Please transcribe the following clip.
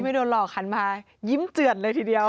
ไม่โดนหลอกหันมายิ้มเจือดเลยทีเดียว